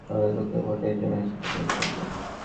আমাদের লোকেদের ভোটেই জয় হাসিল করে ফেলবো।